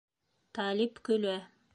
Талип көлә.